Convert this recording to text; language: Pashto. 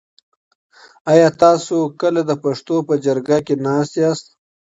آیا تاسو کله د پښتنو په جرګه کي ناست یاست؟